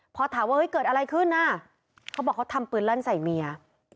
พอถามว่าเฮ้ยเกิดอะไรขึ้นน่ะเขาบอกเขาทำปืนลั่นใส่เมีย